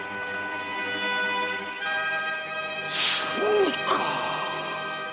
そうか！